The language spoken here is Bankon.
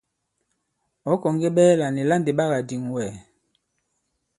Ɔ̌ kɔ̀ŋge ɓɛɛlà nì la ndì ɓa kà-dìŋ wɛ̀?